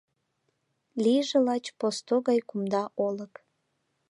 Лийже лач посто гай кумда олык